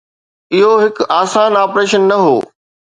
اهو هڪ آسان آپريشن نه هو.